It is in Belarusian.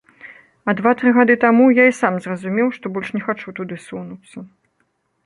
А два-тры гады таму я і сам зразумеў, што больш не хачу туды сунуцца.